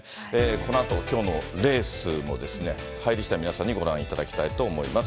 このあときょうのレースも入りしだい、皆さんにご覧いただきたいと思います。